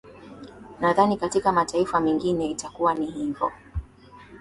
nadhani katika mataifa mengine itakuwa ni hivo